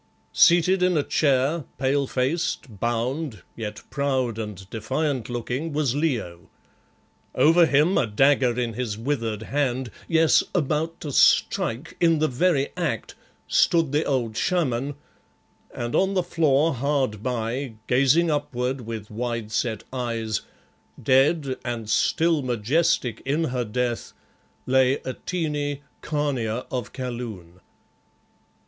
Seated in a chair, pale faced, bound, yet proud and defiant looking, was Leo. Over him, a dagger in his withered hand yes, about to strike, in the very act stood the old Shaman, and on the floor hard by, gazing upward with wide set eyes, dead and still majestic in her death, lay Atene, Khania of Kaloon.